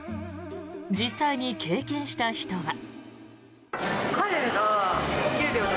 実際に経験した人は。